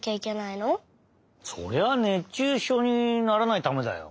そりゃあ熱中症にならないためだよ。